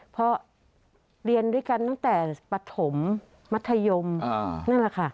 เพราะเรียนด้วยกันตั้งแต่ปฐมมัธยมนั่นแหละค่ะ